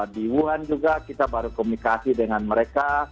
di wuhan juga kita baru komunikasi dengan mereka